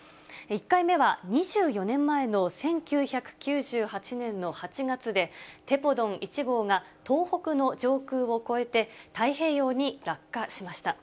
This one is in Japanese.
１回目は、２４年前の１９９８年の８月で、テポドン１号が東北の上空を越えて、太平洋に落下しました。